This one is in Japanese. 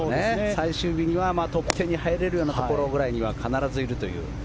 最終日にはトップ１０に入れるようなところくらいには必ずいるという。